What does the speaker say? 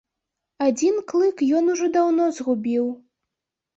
Адзін клык ён ужо даўно згубіў.